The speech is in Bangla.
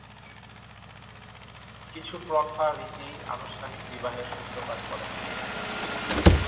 কিছু প্রথা/রীতি আনুষ্ঠানিক বিবাহের সূত্রপাত করে।